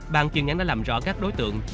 bàn chuyên án đã làm rõ các đối tượng